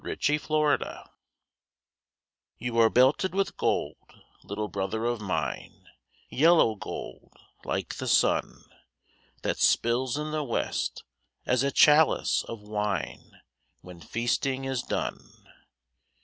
THE HOMING BEE You are belted with gold, little brother of mine, Yellow gold, like the sun That spills in the west, as a chalice of wine When feasting is done.